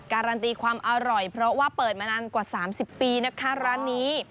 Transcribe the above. การันตีความอร่อยเพราะว่าเปิดมานานกว่า๓๐ปีนะคะร้านนี้